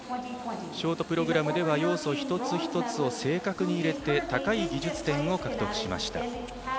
ショートプログラムでは要素一つ一つを正確に入れて高い技術点を獲得しました。